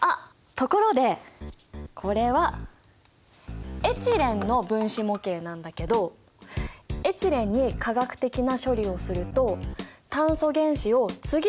ところでこれはエチレンの分子模型なんだけどエチレンに化学的な処理をすると炭素原子を次々とつなげていくことができるんだ。